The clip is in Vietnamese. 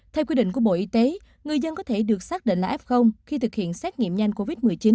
theo quy định của bộ y tế người dân có thể được xác định là f khi thực hiện xét nghiệm nhanh covid một mươi chín